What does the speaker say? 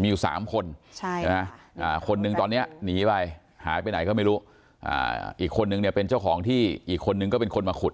มีอยู่๓คนคนหนึ่งตอนนี้หนีไปหายไปไหนก็ไม่รู้อีกคนนึงเนี่ยเป็นเจ้าของที่อีกคนนึงก็เป็นคนมาขุด